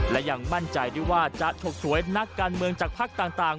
และอย่างมั่นใจที่ว่าจะทกชวยนักการเมืองจากภาคต่าง